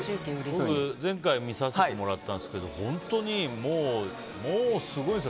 前回見させてもらったんですが本当にもう、すごいですよ。